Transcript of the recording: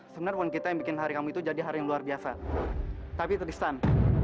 sebenarnya wanita yang bikin hari kamu itu jadi hari yang luar biasa tapi terdistan